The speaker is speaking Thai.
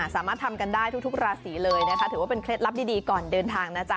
สามารถทำกันได้ทุกราศีเลยนะคะถือว่าเป็นเคล็ดลับดีก่อนเดินทางนะจ๊